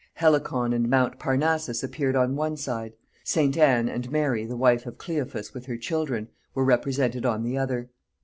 Helicon and Mount Parnassus appeared on one side; St. Anne, and Mary the wife of Cleophas with her children, were represented on the other.